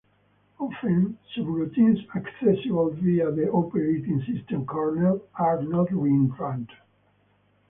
Often, subroutines accessible via the operating system kernel are not reentrant.